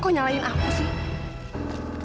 kok nyalain aku sih